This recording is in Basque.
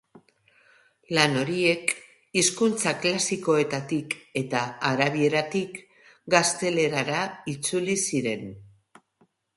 Lan horiek hizkuntza klasikoetatik eta arabieratik gaztelerara itzuli ziren.